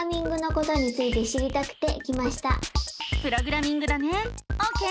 プログラミングだねオーケー！